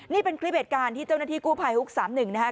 นี่เป็นคลิปเหตุการณ์ที่เจ้าหน้าที่กู้ภัยฮุก๓๑นะครับ